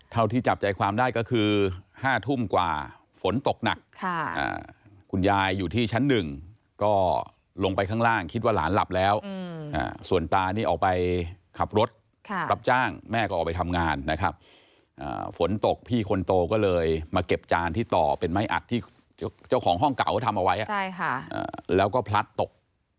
ที่จับใจความได้ก็คือ๕ทุ่มกว่าฝนตกหนักคุณยายอยู่ที่ชั้น๑ก็ลงไปข้างล่างคิดว่าหลานหลับแล้วส่วนตานี่ออกไปขับรถรับจ้างแม่ก็ออกไปทำงานนะครับฝนตกพี่คนโตก็เลยมาเก็บจานที่ต่อเป็นไม้อัดที่เจ้าของห้องเก่าเขาทำเอาไว้แล้วก็พลัดตก